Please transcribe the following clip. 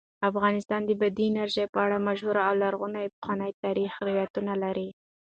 افغانستان د بادي انرژي په اړه مشهور او لرغوني پخواني تاریخی روایتونه لري.